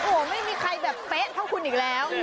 โอ้โหไม่มีใครแบบเป๊ะเท่าคุณอีกแล้ว